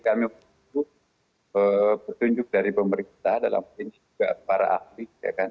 kami petunjuk dari pemerintah dalam hal ini juga para ahli